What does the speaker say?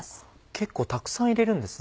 結構たくさん入れるんですね。